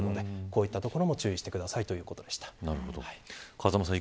風間さん